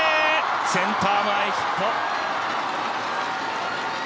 センター前ヒット。